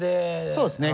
そうですね